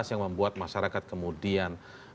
yang membuat masyarakat kemudian